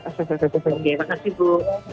oke makasih bu